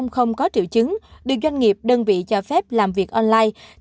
không có triệu chứng được doanh nghiệp đơn vị cho phép làm việc online